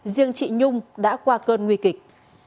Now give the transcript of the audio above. riêng chị nhung đã qua cơn nguy kịch